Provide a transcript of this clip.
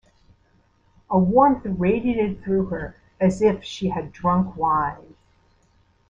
A warmth radiated through her as if she had drunk wine.